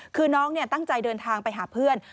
คือน้องตั้งใจเดินทางไปหาเพื่อน